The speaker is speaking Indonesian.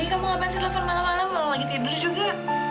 kamu ngapain sedelah malam malam mau lagi tidur juga